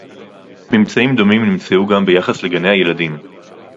ממצאים דומים נמצאו גם ביחס לגני-הילדים